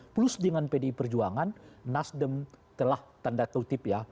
plus dengan pdi perjuangan nasdem telah tanda kutip ya